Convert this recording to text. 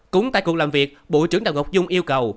cũng tại cuộc làm việc bộ trưởng đào ngọc dung yêu cầu